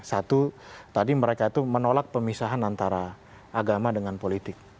satu tadi mereka itu menolak pemisahan antara agama dengan politik